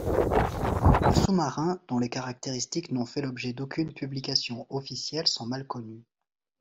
Le sous-marin, dont les caractéristiques n'ont fait l'objet d'aucune publication officielle, sont mal connues.